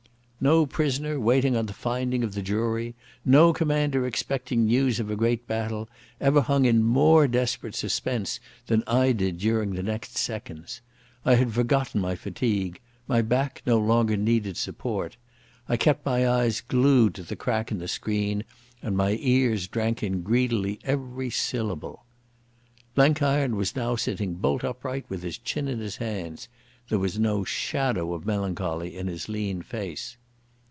No prisoner waiting on the finding of the jury, no commander expecting news of a great battle, ever hung in more desperate suspense than I did during the next seconds. I had forgotten my fatigue; my back no longer needed support. I kept my eyes glued to the crack in the screen and my ears drank in greedily every syllable. Blenkiron was now sitting bolt upright with his chin in his hands. There was no shadow of melancholy in his lean face.